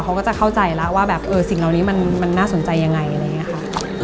เขาก็จะเข้าใจแล้วว่าแบบสิ่งเหล่านี้มันน่าสนใจยังไงอะไรอย่างนี้ค่ะ